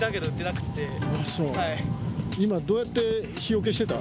今どうやって日よけしてた？